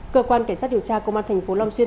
cơ quan cảnh sát điều tra công an tp long xuyên